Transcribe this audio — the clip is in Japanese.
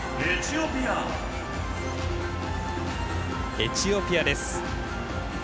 エチオピアです。